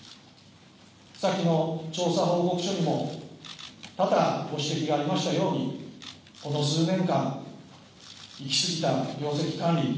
先の調査報告書にも多々ご指摘がありましたようにこの数年間行きすぎた業績管理